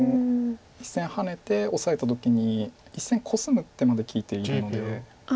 １線ハネてオサえた時に１線コスむ手まで利いているので。